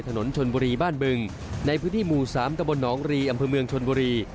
ถนนชนบุรีบ้านบึงในพื้นที่หมู่๓ตะบลหนองรีอำเภอเมืองชนบุรี